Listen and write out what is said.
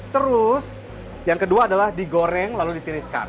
terus yang kedua adalah digoreng lalu ditiriskan